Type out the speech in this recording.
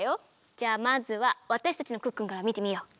じゃあまずはわたしたちの「クックルン」からみてみよう。